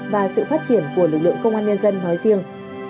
và sự phát triển của lực lượng công an nhân dân nói riêng